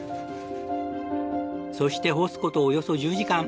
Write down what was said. そして干す事およそ１０時間。